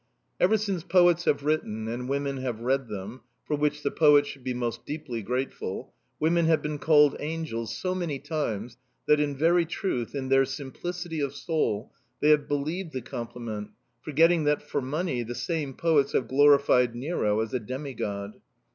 Ever since poets have written and women have read them (for which the poets should be most deeply grateful) women have been called angels so many times that, in very truth, in their simplicity of soul, they have believed the compliment, forgetting that, for money, the same poets have glorified Nero as a demigod...